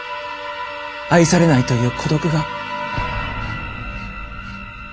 愛されないという孤独が。